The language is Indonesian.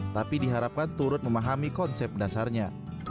tapi diharapkan turut memahami konsep dasarnya